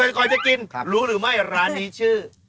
ก่อนจะกินรู้หรือไม่ร้านนี้ชื่อ